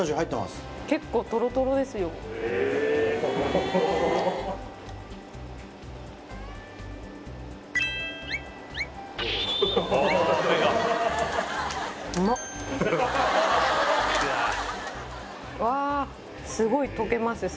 結構トロトロですよわあすごい溶けます